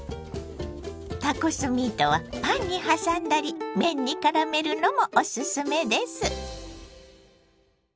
タコスミートはパンに挟んだり麺にからめるのもおすすめです。